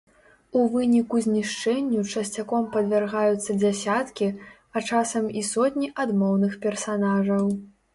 У выніку знішчэнню часцяком падвяргаюцца дзясяткі, а часам і сотні адмоўных персанажаў.